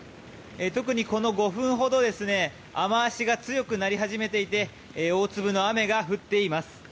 特にこの５分ほど雨脚が強くなり始めていて大粒の雨が降っています。